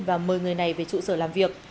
và mời người này về trụ sở làm việc